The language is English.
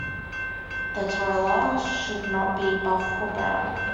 The Toller should not be buff or brown.